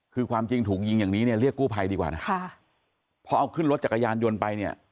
คือความจริงถูกยิงอย่างนี้เนี่ยเรียกกู้ภัยดีกว่านะค่ะพอเอาขึ้นรถจักรยานยนต์ไปเนี่ย